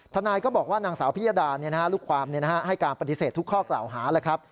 ทนายก็บอกว่านางสาวพิยดาลูกความให้การปฏิเสธทุกข้อกล่าวหาแล้วครับ